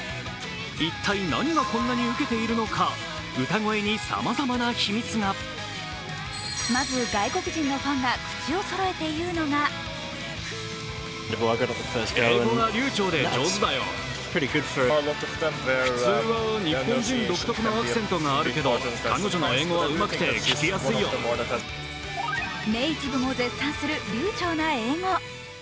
一体何がこんなにウケているのか歌声にさまざまな秘密がまず外国人のファンが口をそろえていうのがネイティブも絶賛する流ちょうな英語。